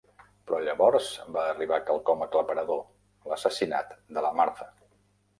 Però llavors va arribar quelcom aclaparador: l'assassinat de la Marthe.